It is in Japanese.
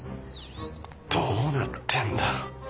どうなってんだ？